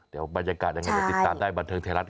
เดี๋ยวบรรยากาศยังไงเดี๋ยวติดตามได้บันเทิงไทยรัฐ